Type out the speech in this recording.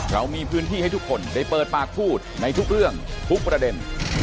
เรามีพื้นที่ให้ทุกคนได้เปิดปากพูดในทุกเรื่องทุกประเด็น